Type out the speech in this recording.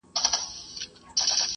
د زور سياست تل منفي پايلي درلودلې دي.